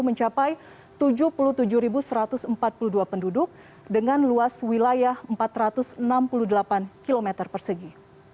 mencapai tujuh puluh tujuh satu ratus empat puluh dua penduduk dengan luas wilayah empat ratus enam puluh delapan km persegi